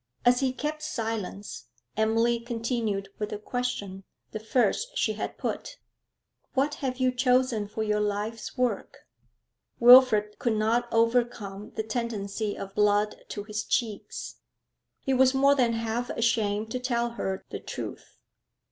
As he kept silence, Emily continued with a question, the first she had put. 'What have you chosen for your life's work?' Wilfrid could not overcome the tendency of blood to his cheeks. He was more than half ashamed to tell her the truth.